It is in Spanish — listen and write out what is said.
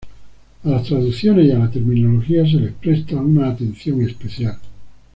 A las traducciones y a la terminología se les presta una atención especial.